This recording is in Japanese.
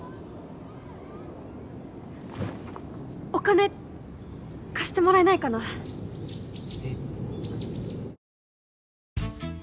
お金貸してもらえないかな？えっ！？